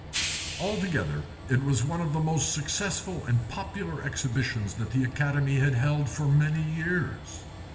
Altogether it was one of the most successful and popular exhibitions that the Academy had held for many years.